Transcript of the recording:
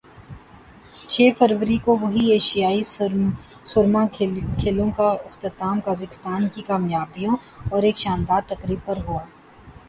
چھ فروری کو ویں ایشیائی سرما کھیلوں کا اختتام قازقستان کی کامیابیوں اور ایک شاندار تقریب پر ہوا